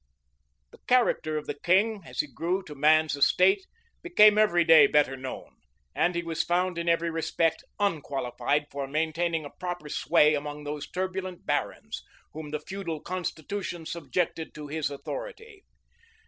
[] The character of the king, as he grew to man's estate, became every day better known; and he was found in every respect unqualified for maintaining a proper sway among those turbulent barons, whom the feudal constitution subjected to his authority.